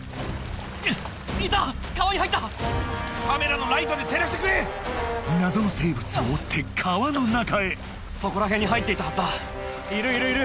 いた川に入ったカメラのライトで照らしてくれ謎の生物を追って川の中へそこらへんに入っていったはずだいるいるいる